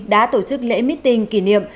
đã tổ chức lễ meeting kỷ niệm